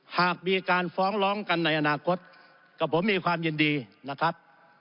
หากมีการฟ้องร้องกันในอนาคตกับผมมีความยินดีนะครับ